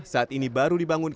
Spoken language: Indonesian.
saat ini baru dibangunkan